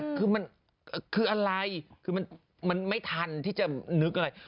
คือมันคืออะไรคือมันไม่ทันที่จะนึกอะไร